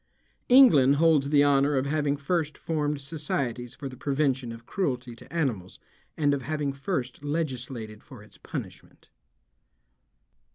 England holds the honor of having first formed societies for the prevention of cruelty to animals and of having first legislated for its punishment.